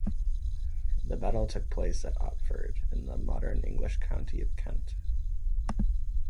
The battle took place at Otford, in the modern English county of Kent.